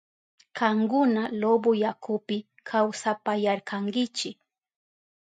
Kankuna Loboyakupi kawsapayarkankichi.